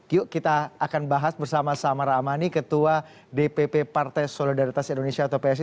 yuk kita akan bahas bersama samara amani ketua dpp partai solidaritas indonesia atau psi